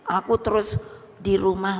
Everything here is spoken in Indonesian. aku terus di rumah